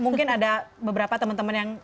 mungkin ada beberapa teman teman yang